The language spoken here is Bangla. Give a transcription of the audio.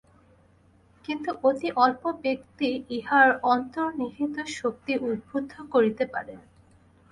কিন্তু অতি অল্প ব্যক্তিই ইহার অন্তর্নিহিত শক্তি উদ্ধুদ্ধ করিতে পারেন।